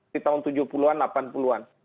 di tahun tujuh puluh an delapan puluh an